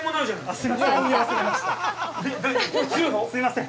すいません。